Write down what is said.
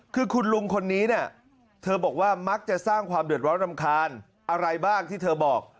คือคุณลุงคนนี้เนี่ยเธอบอกว่ามักจะสร้างความเดือดร้อนรำคาญอะไรบ้างที่เธอบอก